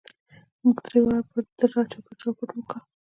موږ درې واړه پر ده را چاپېر شو او پټ مو کړ.